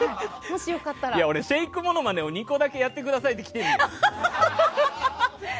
俺、シェイクモノマネを２個だけやってくださいって来てるの。